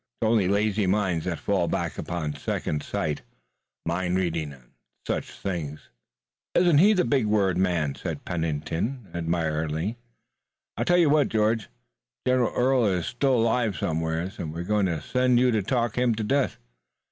It's only lazy minds that fall back upon second sight, mind reading and such things." "Isn't he the big word man?" said Pennington admiringly. "I tell you what, George, General Early is still alive somewhere, and we're going to send you to talk him to death.